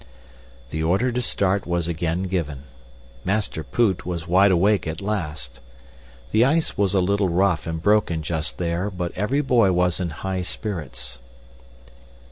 "The order to start was again given. Master Poot was wide awake at last. The ice was a little rough and broken just there, but every boy was in high spirits.